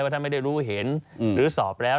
ท่านไม่ได้รู้เห็นหรือสอบแล้ว